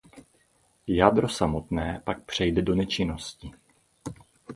Jádro samotné pak přejde do nečinnosti.